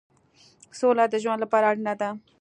سوله د ژوند لپاره اړینه ده.